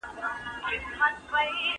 پرون مي خپل پلار ته خط ولیکه.